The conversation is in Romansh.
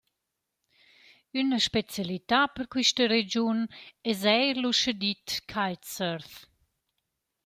Üna specialità per quista regiun es eir l’uschedit «kite surf».